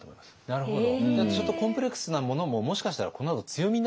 なるほど。